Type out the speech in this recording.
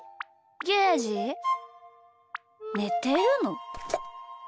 ゲージ？ねてるの？